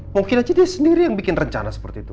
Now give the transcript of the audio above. mungkin aja dia sendiri yang bikin rencana seperti itu